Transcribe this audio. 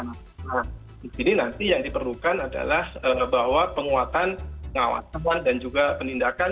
nah di sini nanti yang diperlukan adalah bahwa penguatan pengawasan dan juga penindakan